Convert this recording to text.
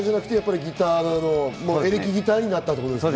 エレキギターになったということですね。